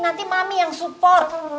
nanti mami yang support